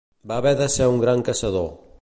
Va haver de ser un gran caçador.